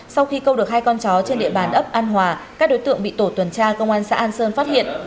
sau khi câu được hai con chó trên địa bàn ấp an hòa các đối tượng bị tổ tuần tra công an xã an sơn phát hiện